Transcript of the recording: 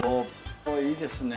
おいいですね。